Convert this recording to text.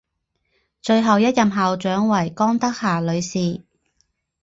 最后一任校长为江德霞女士。